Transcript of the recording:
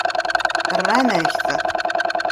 Rran-ak-t.